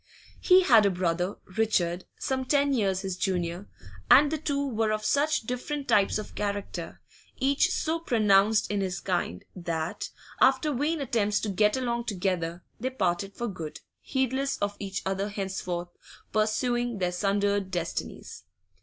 He had a brother, Richard, some ten years his junior, and the two were of such different types of character, each so pronounced in his kind, that, after vain attempts to get along together, they parted for good, heedless of each other henceforth, pursuing their sundered destinies.